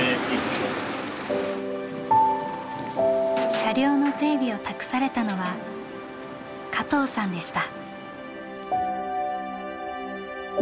車両の整備を託されたのは加藤さんでした。